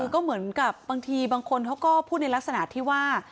ก็เหมือนกับบางทีบางคนเขาก็พูดในลักษณะที่ว่า